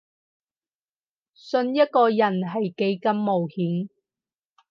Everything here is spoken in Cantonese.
信一個人係幾咁冒險